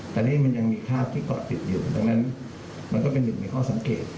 แต่นี่มันยังมีภาพที่เกาะติดอยู่ดังนั้นมันก็เป็นหนึ่งในข้อสังเกต